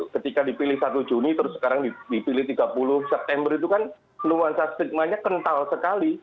ketika dipilih satu juni terus sekarang dipilih tiga puluh september itu kan nuansa stigmanya kental sekali